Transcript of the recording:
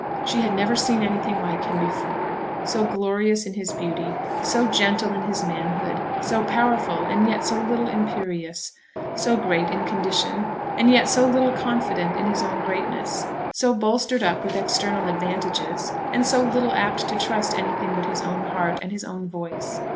She had never seen anything like him before; so glorious in his beauty, so gentle in his manhood, so powerful and yet so little imperious, so great in condition, and yet so little confident in his own greatness, so bolstered up with external advantages, and so little apt to trust anything but his own heart and his own voice.